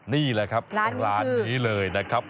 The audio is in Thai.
นี่แหละครับร้านนี้เลยนะครับ